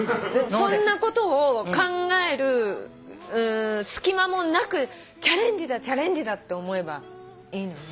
そんなことを考える隙間もなくチャレンジだチャレンジだって思えばいいのね。